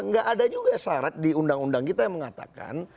nggak ada juga syarat di undang undang kita yang mengatakan